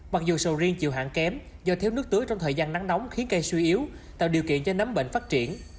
mặc dù sầu riêng chịu hạn kém do thiếu nước tưới trong thời gian nắng nóng khiến cây suy yếu tạo điều kiện cho nấm bệnh phát triển